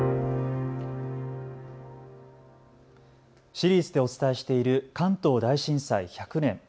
シリーズでお伝えしている関東大震災１００年。